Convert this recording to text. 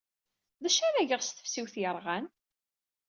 D acu ara geɣ s tesfiwt yerɣan?